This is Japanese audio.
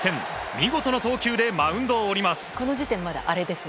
見事な投球でマウンドを降ります。